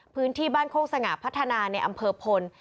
พื้นที่บ้านโคกสง่าพัฒนาในอำเภอพล